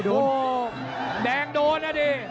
แดงโดนอ่ะดิ